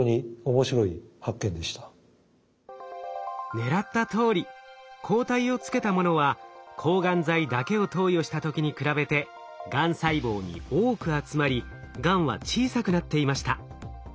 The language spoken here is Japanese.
狙ったとおり抗体をつけたものは抗がん剤だけを投与した時に比べてがん細胞に多く集まりがんは小さくなっていました。